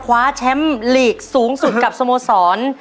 คว้าแชมป์ลีกสูงสุดกับสโมสร